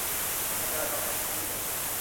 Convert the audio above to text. การจราจรติดขัดทั้งเมือง